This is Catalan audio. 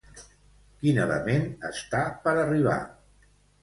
Quin element està per arribar?